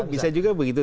bisa juga begitu